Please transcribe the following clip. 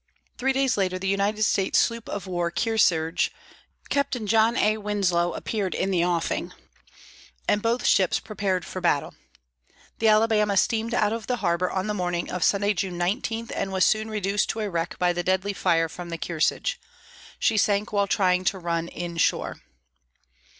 Three days later, the United States sloop of war Kearsarge, Captain John A. Winslow, appeared in the offing, and both ships prepared for battle. The Alabama steamed out of the harbor on the morning of Sunday, June 19, and was soon reduced to a wreck by the deadly fire from the Kearsarge. She sank while trying to run inshore.